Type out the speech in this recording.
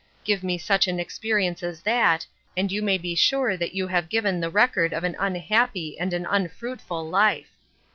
Give me such an experience as that, and you may be sure that you have given the record of an unhappy and an unfruitful life.